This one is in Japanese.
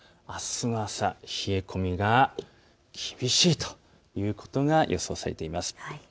あすの朝、冷え込みが厳しいということが予想されています。